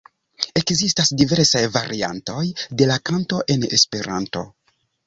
Ekzistas diversaj variantoj de la kanto en Esperanto.